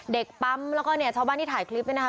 เด็กปั๊มแล้วก็เนี่ยชาวบ้านที่ถ่ายคลิปเนี่ยนะคะ